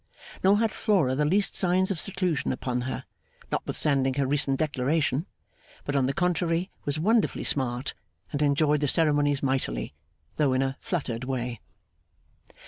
Nor had Flora the least signs of seclusion upon her, notwithstanding her recent declaration; but, on the contrary, was wonderfully smart, and enjoyed the ceremonies mightily, though in a fluttered way.